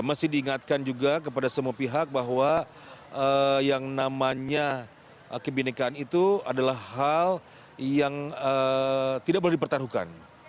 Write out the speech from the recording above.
mesti diingatkan juga kepada semua pihak bahwa yang namanya kebenekaan itu adalah hal yang tidak boleh dipertaruhkan